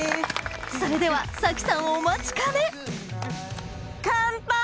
それでは沙紀さんお待ちかねカンパイ！